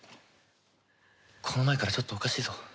この前からちょっとおかしいぞ。